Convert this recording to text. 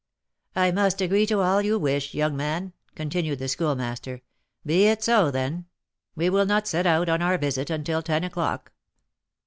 "I must agree to all you wish, young man," continued the Schoolmaster. "Be it so, then; we will not set out on our visit until ten o'clock."